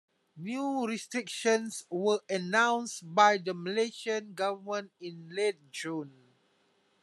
New restrictions were announced by the Malaysian government in late June.